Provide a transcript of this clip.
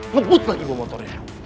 ngebut lagi bawa motornya